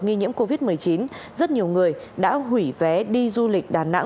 nghi nhiễm covid một mươi chín rất nhiều người đã hủy vé đi du lịch đà nẵng